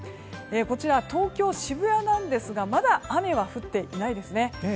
こちら東京・渋谷ですがまだ雨は降っていないです。